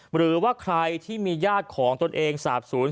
หรือว่าใครที่มีย่าดของตนเองสาบสูญ